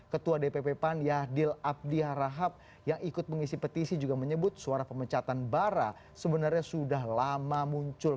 ketua dpp pan yahdil abdiharahab yang ikut mengisi petisi juga menyebut suara pemecatan bara sebenarnya sudah lama muncul